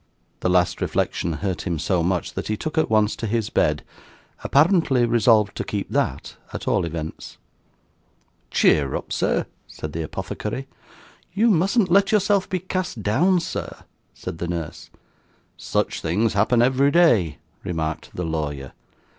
The last reflection hurt him so much, that he took at once to his bed; apparently resolved to keep that, at all events. 'Cheer up, sir!' said the apothecary. 'You mustn't let yourself be cast down, sir,' said the nurse. 'Such things happen every day,' remarked the lawyer.